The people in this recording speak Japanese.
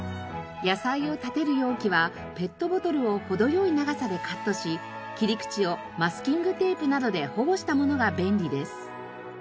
野菜を立てる容器はペットボトルを程良い長さでカットし切り口をマスキングテープなどで保護したものが便利です。